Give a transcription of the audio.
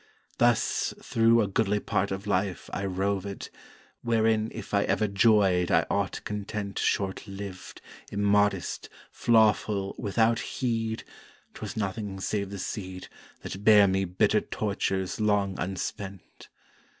Thus through a goodly part of Life I rovèd, Wherein if ever joyed I aught content Short lived, immodest, flaw full, without heed, 'Twas nothing save the seed That bare me bitter tortures long unspent.